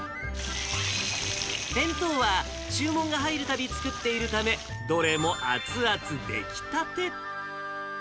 弁当は注文が入るたび作っているため、どれも熱々、出来たて。